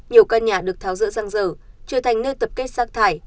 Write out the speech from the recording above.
nhiều căn nhà được tháo dỡ giang dở trở thành nơi tập kết rác thải